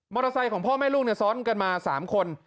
มอเตอร์ไซค์ของพ่อแม่ลูกเนี่ยซ้อนกันมา๓คน